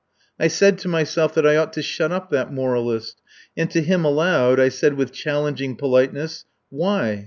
I said to myself that I ought to shut up that moralist; and to him aloud I said with challenging politeness: "Why